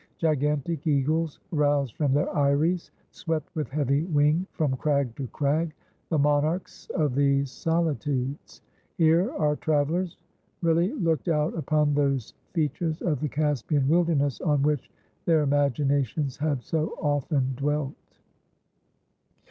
Gigantic eagles, roused from their eyries, swept with heavy wing from crag to crag, the monarchs of these solitudes. Here our travellers really looked out upon those features of the Caspian wilderness on which their imaginations had so often dwelt.